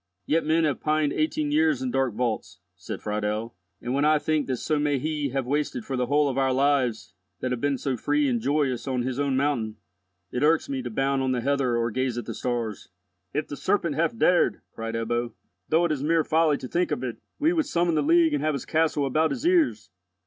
"Yet men have pined eighteen years in dark vaults," said Friedel; "and, when I think that so may he have wasted for the whole of our lives that have been so free and joyous on his own mountain, it irks me to bound on the heather or gaze at the stars." "If the serpent hath dared," cried Ebbo, "though it is mere folly to think of it, we would summon the League and have his castle about his ears!